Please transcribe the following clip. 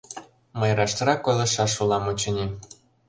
— Мый рашрак ойлышаш улам, очыни.